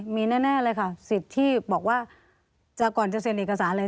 มีแน่เลยค่ะสิทธิ์ที่บอกว่าก่อนจะเซ็นเอกสารเลย